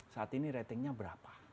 saat ini ratingnya berapa